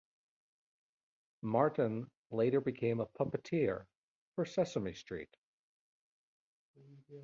Martin later became a puppeteer for "Sesame Street".